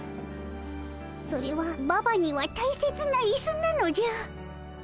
それはババには大切な椅子なのじゃ。